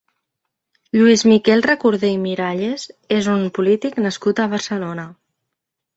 Lluís Miquel Recoder i Miralles és un polític nascut a Barcelona.